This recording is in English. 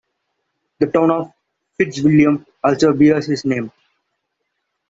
The town of Fitzwilliam also bears his name.